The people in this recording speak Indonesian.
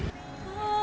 masjid langgar tinggi